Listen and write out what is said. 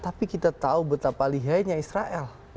tapi kita tahu betapa lihainya israel